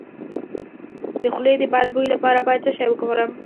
د خولې د بد بوی لپاره باید څه شی وخورم؟